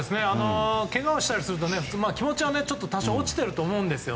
けがをしたりすると気持ちは多少落ちていると思うんですよ。